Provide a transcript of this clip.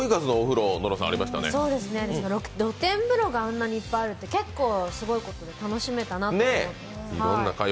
露天風呂があんなにいっぱいあるって、結構すごいことで楽しめたなと。